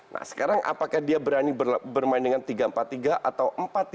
nah sekarang apakah dia berani bermain dengan tiga empat tiga atau empat tiga